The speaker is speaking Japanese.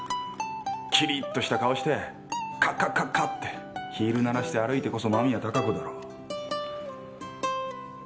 きりっとした顔してカッカッカッカってヒール鳴らして歩いてこそ間宮貴子だろ。